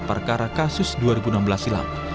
perkara kasus dua ribu enam belas silam